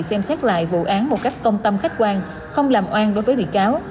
xem xét lại vụ án một cách công tâm khách quan không làm oan đối với bị cáo